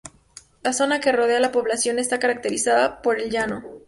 La zona que rodea la población está caracterizada por el llano.